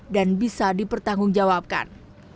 dan bisa dipertanggungjawabkan